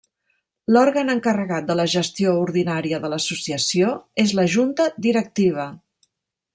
L'òrgan encarregat de la gestió ordinària de l'associació és la Junta Directiva.